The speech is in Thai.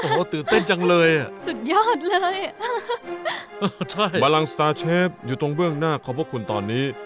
โอ้โหตื่นเต้นจังเลยอ่ะสุดยอดเลยบรังสตาร์เชฟอยู่ตรงเบื้องหน้าขอบพระคุณตอนนี้